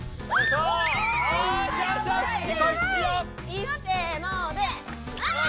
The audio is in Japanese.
いっせので！